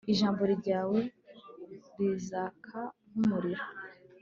ijambo ryawe rizaka nk umuriro